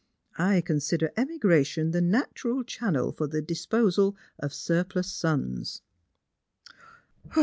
I consider emigra* tion the natural channel for the disposal of surplus sons."